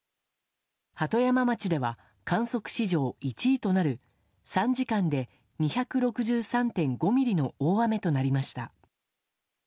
鳩山町では観測史上１位となる３時間で２６３．５ミリの大雨となりました。